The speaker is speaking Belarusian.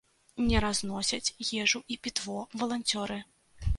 Не разносяць ежу і пітво валанцёры.